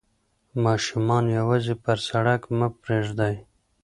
ماشومان یوازې پر سړک مه پریږدئ.